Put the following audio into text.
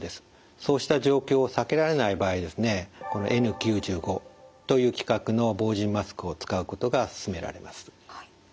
そうした状況を避けられない場合ですねＮ９５という規格の防塵マスクを使うことがすすめられます。